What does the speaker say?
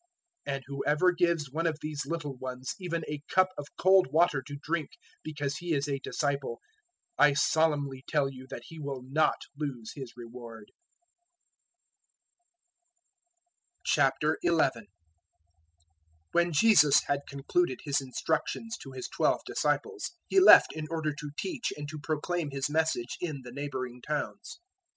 010:042 And whoever gives one of these little ones even a cup of cold water to drink because he is a disciple, I solemnly tell you that he will not lose his reward." 011:001 When Jesus had concluded His instructions to His twelve disciples, He left in order to teach and to proclaim His Message in the neighbouring towns.